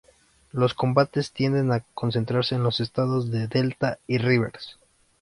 Los combates tienden a concentrarse en los estados de Delta y Rivers.